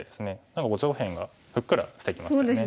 何か上辺がふっくらしてきましたよね。